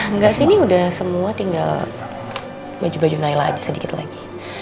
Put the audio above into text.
enggak sih ini udah semua tinggal baju baju nailah aja sedikit lagi